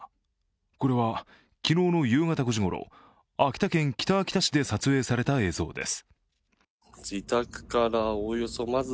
これは昨日の夕方５時ごろ秋田県北秋田市で撮影された映像です。